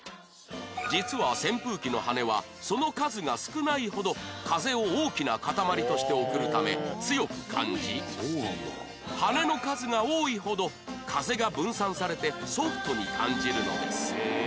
実は扇風機の羽根はその数が少ないほど風を大きな塊として送るため強く感じ羽根の数が多いほど風が分散されてソフトに感じるのです